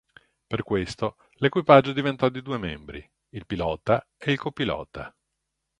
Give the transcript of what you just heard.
Per questo, l'equipaggio diventò di due membri, il pilota e il copilota.